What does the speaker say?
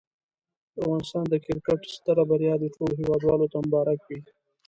د افغانستان د کرکټ ستره بریا دي ټولو هېوادوالو ته مبارک وي.